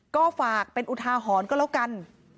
ก็ฝากเป็นอุทาหรณ์ก็แล้วกัน